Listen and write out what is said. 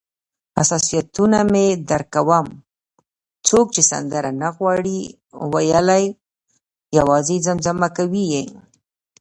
حساسیتونه مې درک کوم، څوک چې سندره نه غواړي ویلای، یوازې زمزمه کوي یې.